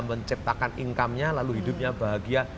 menciptakan income nya lalu hidupnya bahagia